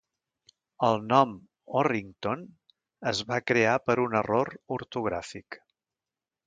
El nom "Orrington" es va crear per un error ortogràfic.